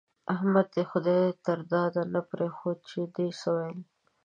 احمد دې د خدای تر داده نه پرېښود چې ده څه ويل.